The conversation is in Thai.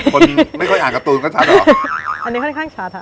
คนไม่ค่อยอ่านการ์ตูนก็ชัดหรอกอันนี้ค่อนข้างชัด